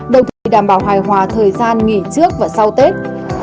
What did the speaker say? đồng thời đảm bảo hài hòa thời gian nghỉ trước và sau tết